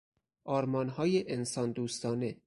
آرمانهای انسان دوستانه